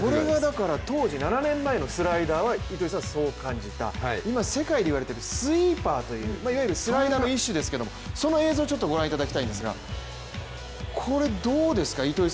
当時、７年前のスライダーはそう感じた今世界で言われているスイーパーという、いわゆるスライダーの一種ですけど、その映像をご覧いただきたいんですが、これはどうですか？